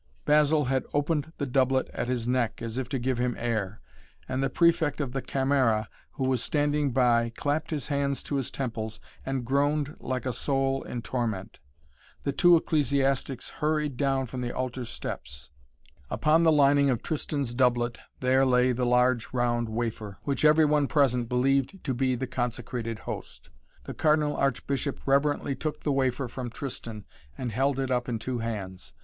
Basil had opened the doublet at his neck, as if to give him air, and the Prefect of the Camera, who was standing by, clapped his hands to his temples, and groaned like a soul in torment. The two ecclesiastics hurried down from the altar steps. Upon the lining of Tristan's doublet there lay the large round wafer, which every one present believed to be the consecrated Host. The Cardinal Archbishop reverently took the wafer from Tristan and held it up in two hands.